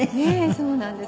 そうなんです。